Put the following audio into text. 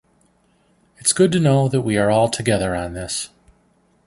It’s good to know that we are all together on this.